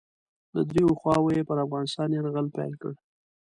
له دریو خواوو یې پر افغانستان یرغل پیل کړ.